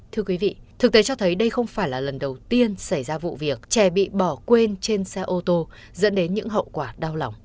thưa quý vị thực tế cho thấy đây không phải là lần đầu tiên xảy ra vụ việc trẻ bị bỏ quên trên xe ô tô dẫn đến những hậu quả đau lòng